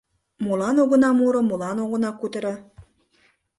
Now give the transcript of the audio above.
Молан огына муро, молан огына кутыро?